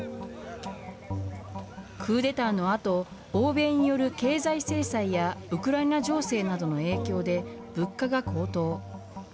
クーデターのあと、欧米による経済制裁やウクライナ情勢などの影響で、物価が高騰。